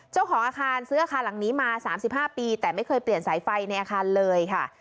เจ้าของอาคารซื้ออาคารหลังนี้มา๓๕ปีแต่ไม่เคยเปลี่ยนสายไฟในอาคารเลยค่ะ